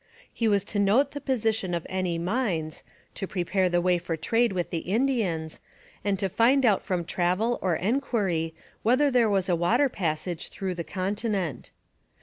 He was to note the position of any mines, to prepare the way for trade with the Indians, and to find out from travel or enquiry whether there was a water passage through the continent.